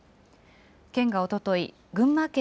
県がおととい、群馬県